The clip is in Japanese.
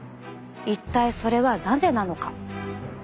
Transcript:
一体それはなぜなのか？